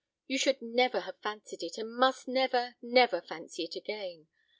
You should never have fancied it, and must never, never fancy it again.